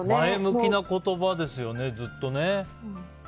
前向きな言葉ですよね、ずっと。